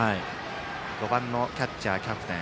５番のキャッチャーキャプテン